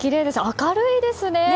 明るいですね！